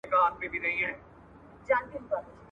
• څه خوره، څه پرېږده.